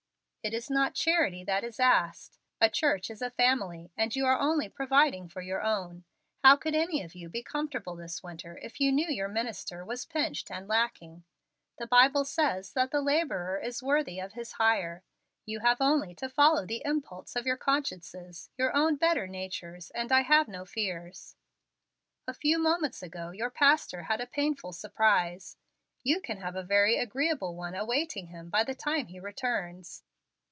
It is not charity that is asked. A church is a family, and you are only providing for your own. How could any of you be comfortable this winter if you knew your minister was pinched and lacking? The Bible says that the laborer is worthy of his hire. You have only to follow the impulse of your consciences, your own better natures, and I have no fears. A few moments ago your pastor had a painful surprise. You can have a very agreeable one awaiting him by the time he returns.